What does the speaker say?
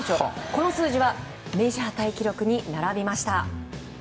この数字はメジャータイ記録に並びました。